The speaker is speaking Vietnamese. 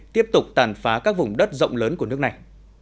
tiếp tục tàn phá các vùng đất rộng lớn của nước này